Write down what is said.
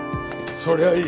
そりゃあいい。